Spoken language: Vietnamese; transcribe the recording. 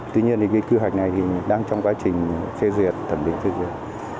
tuy nhiên thì cái quy hoạch này thì đang trong quá trình phê duyệt thẩm định phê duyệt